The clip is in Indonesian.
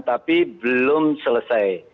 tapi belum selesai